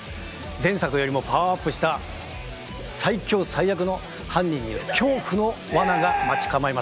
前作よりもパワーアップした最凶最悪の犯人による恐怖のワナが待ち構えます。